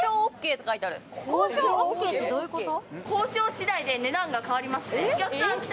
交渉ＯＫってどういうこと？